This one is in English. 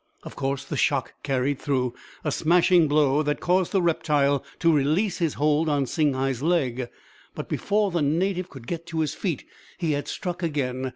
Of course the shock carried through, a smashing blow that caused the reptile to release his hold on Singhai's leg; but before the native could get to his feet he had struck again.